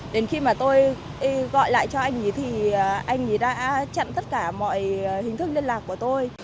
đến khi mà tôi gọi lại cho anh ấy thì anh đã chặn tất cả mọi hình thức liên lạc của tôi